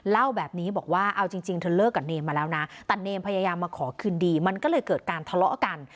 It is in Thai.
เล่าแบบนี้บอกว่าเอาจริงเธอเลิกกับเนมมาแล้วนะแต่เนมพยายามมาขอคืนดีมันก็เลยเกิดการทะเลาะกัน